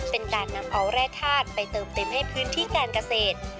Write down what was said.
เป็นการนำเอาแร่ธาตุไปเติมเต็มให้พื้นที่การเกษตร